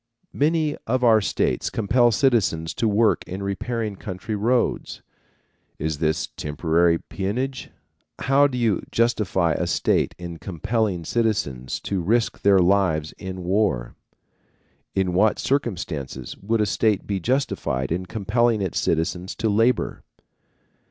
Many of our states compel citizens to work in repairing country roads. Is this temporary peonage? How do you justify a state in compelling citizens to risk their lives in war? In what circumstances would a state be justified in compelling its citizens to labor?